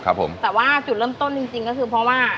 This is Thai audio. แต่ว่าจุดเริ่มต้นจริงก็คือเพราะว่า